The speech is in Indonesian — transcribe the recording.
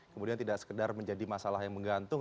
kemudian tidak sekedar menjadi masalah yang menggantung